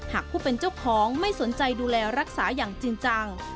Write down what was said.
หากผู้เป็นเจ้าของไม่สนใจดูแลรักษาอย่างจริงจัง